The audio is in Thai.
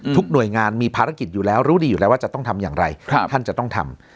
หน่วยงานมีภารกิจอยู่แล้วรู้ดีอยู่แล้วว่าจะต้องทำอย่างไรท่านจะต้องทำ